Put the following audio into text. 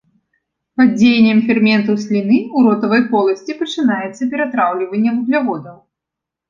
Пад дзеяннем ферментаў сліны ў ротавай поласці пачынаецца ператраўліванне вугляводаў.